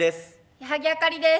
矢作あかりです。